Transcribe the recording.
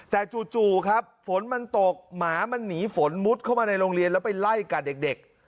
แต่จู่ครับฝนมันตกหมามันหนีฝนมุดเข้ามาในโรงเรียนแล้วไปไล่กัดเด็ก